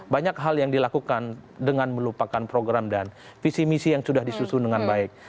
banyak hal yang dilakukan dengan melupakan program dan visi misi yang sudah disusun dengan baik